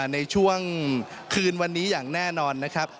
ในช่วงคืนวันนี้อย่างแน่นอนนะครับ